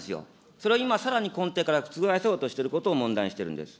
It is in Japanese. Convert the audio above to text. それを今さらに根底から覆そうとしていることを問題にしてるんです。